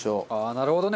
なるほどね。